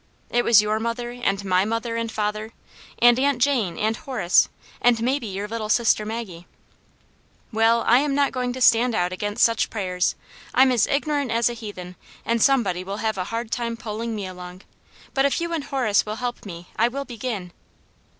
" It was your mother and my mother and father, Aunt Janets Hero. 205 and Aunt Jane and Horace, and maybe your little sister Maggie/' " Well, I am not going to stand out against such prayers. Tm as ignorant as a heathen, and some body will have a hard time pulling me along. But if you and Horace will help me, I will begin."